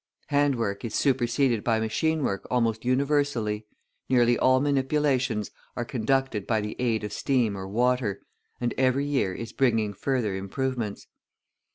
Hand work is superseded by machine work almost universally, nearly all manipulations are conducted by the aid of steam or water, and every year is bringing further improvements.